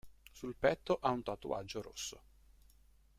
Sul petto ha un tatuaggio rosso.